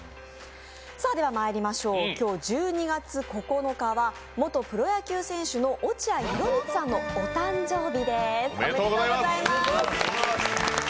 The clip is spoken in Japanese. ではまいりましょう、今日１２月９日は元プロ野球選手の落合博満さんのお誕生日です。